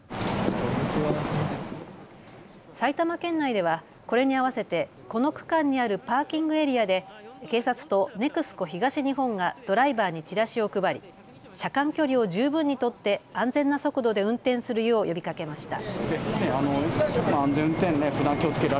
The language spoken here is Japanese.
埼玉県内ではこれに合わせてこの区間にあるパーキングエリアで警察とＮＥＸＣＯ東日本がドライバーにチラシを配り車間距離を十分に取って安全な速度で運転するよう呼びかけました。